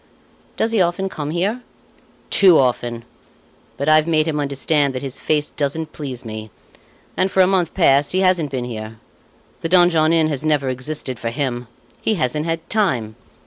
"Does he often come here?" "Too often. But I've made him understand that his face doesn't please me, and, for a month past, he hasn't been here. The Donjon Inn has never existed for him! he hasn't had time!